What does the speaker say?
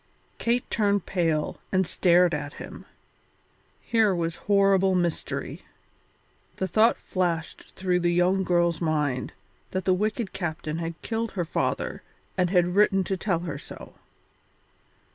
Kate turned pale and stared at him; here was horrible mystery. The thought flashed through the young girl's mind that the wicked captain had killed her father and had written to tell her so.